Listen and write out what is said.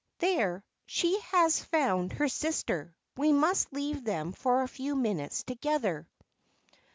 There, she has found her sister; we must leave them for a few minutes together."